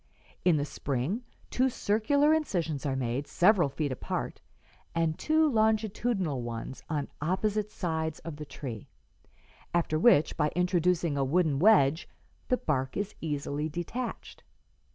In the spring two circular incisions are made, several feet apart, and two longitudinal ones on opposite sides of the tree; after which, by introducing a wooden wedge, the bark is easily detached.